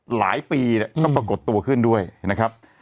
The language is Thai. หลายปีก็ปรากฏตัวขึ้นด้วยนะครับ